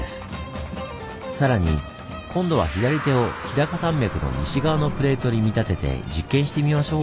更に今度は左手を日高山脈の西側のプレートに見立てて実験してみましょう！